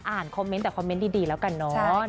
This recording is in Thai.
คอมเมนต์แต่คอมเมนต์ดีแล้วกันเนาะ